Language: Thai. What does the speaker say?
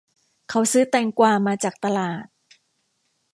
เขาซื้อแตงกวามาจากตลาด